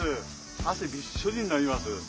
あせびっしょりになります。